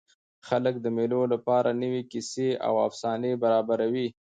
خلک د مېلو له پاره نوي کیسې او افسانې برابروي.